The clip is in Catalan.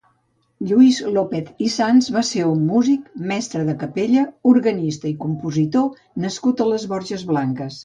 Lluís López i Sans va ser un músic, mestre de capella, organista i compositor nascut a les Borges Blanques.